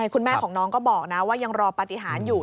คุณแม่ของน้องก็บอกนะว่ายังรอปฏิหารอยู่